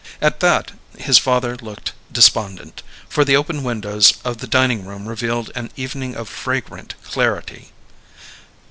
At that his father looked despondent, for the open windows of the dining room revealed an evening of fragrant clarity.